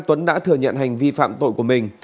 tuấn đã thừa nhận hành vi phạm tội của mình